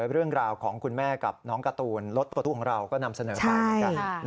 เรื่องราวของคุณแม่กับน้องการ์ตูนรถประตูของเราก็นำเสนอไป